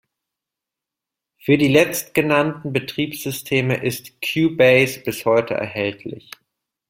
Für die letztgenannten Betriebssysteme ist Cubase bis heute erhältlich.